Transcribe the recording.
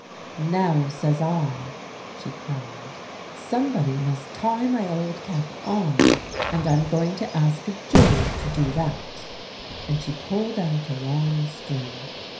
"Now says I," she cried, "somebody must tie my old cap on, and I'm going to ask Joel to do that." And she pulled out a long string.